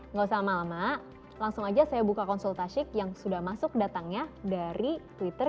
nggak usah lama lama langsung aja saya buka konsultasik yang sudah masuk datangnya dari twitter